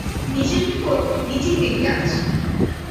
নিজের বিপদ নিজেই ডেকে আনছো।